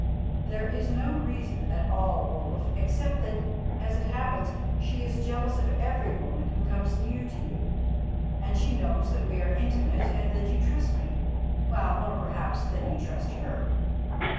"There is no reason at all, Olaf, except that, as it happens, she is jealous of every woman who comes near to you, and she knows that we are intimate and that you trust me well, more, perhaps, than you trust her.